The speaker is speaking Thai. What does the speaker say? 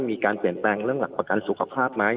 มีการเปลี่ยนแปลงเรื่องหลักประกันสุขภาพไหม